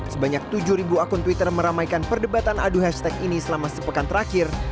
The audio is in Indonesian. sebanyak tujuh akun twitter meramaikan perdebatan aduh hashtag ini selama sepekan terakhir